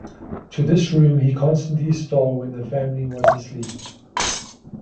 To this room he constantly stole when the family was asleep.